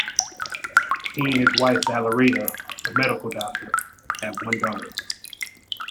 He and his wife Valeria, a medical doctor, have one daughter.